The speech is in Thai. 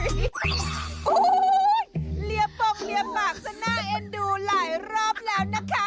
โอ้โหเรียบปงเลียบปากซะน่าเอ็นดูหลายรอบแล้วนะคะ